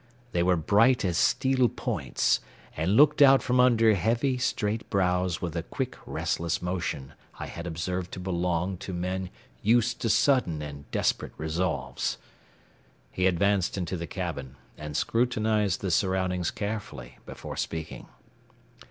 They were bright as steel points and looked out from under heavy, straight brows with a quick, restless motion I had observed to belong to men used to sudden and desperate resolves. He advanced into the cabin and scrutinized the surroundings carefully before speaking.